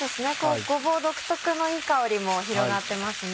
ごぼう独特のいい香りも広がってますね。